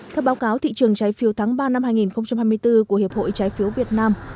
theo báo cáo thị trường trái phiếu tháng ba năm hai nghìn hai mươi bốn của hiệp hội trái phiếu việt nam